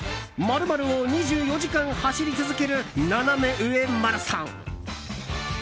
○○を２４時間走り続けるナナメ上マラソン。